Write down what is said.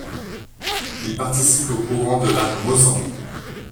Il participe au courant de l'Art mosan.